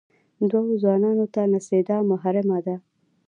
دوو ځوانان ته نڅېدا محرمه ده.